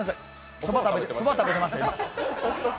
そば食べてました。